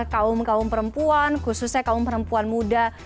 kaum kaum perempuan khususnya kaum perempuan muda